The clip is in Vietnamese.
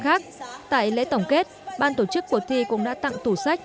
trong cộng đồng khác tại lễ tổng kết ban tổ chức cuộc thi cũng đã tặng tủ sách